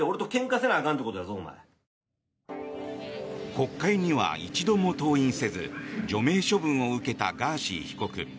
国会には一度も登院せず除名処分を受けたガーシー被告。